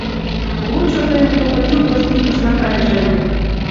— Лучо тыйым крокодил тростникыш наҥгайыже ыле...